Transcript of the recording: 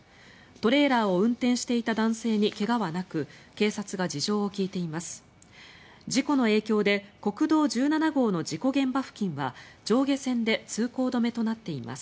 トレーラーを運転していた男性に怪我はなく警察が事情を聴いています。